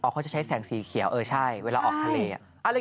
เขาจะใช้แสงสีเขียวเออใช่เวลาออกทะเล